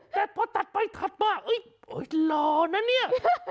แต่พอตัดไปถัดมาหล่อนะเนี่ย